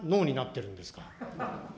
どんな脳になってるんですか。